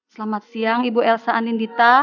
selamat siang ibu elsa anindita